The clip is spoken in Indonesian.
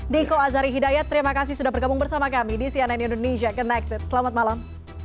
niko azari hidayat terima kasih sudah bergabung bersama kami di cnn indonesia connected selamat malam